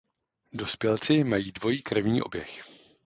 Dospělci mají dvojí krevní oběh.